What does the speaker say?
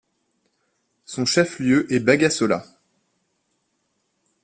Son chef-lieu est Bagassola.